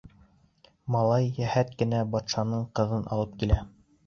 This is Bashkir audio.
Малай йәһәт кенә батшаның ҡыҙын алып килә.